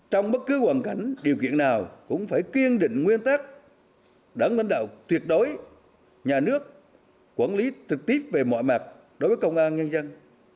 trong bất cứ hoàn cảnh điều kiện nào cũng phải kiên định nguyên tắc đắn lãnh đạo tuyệt đối nhà nước quản lý trực tiếp về mọi mặt đối với công an nhân dân